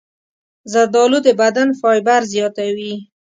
زردالو د بدن فایبر زیاتوي.